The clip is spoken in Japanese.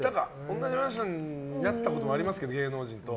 同じマンションになったことありますけど、芸能人と。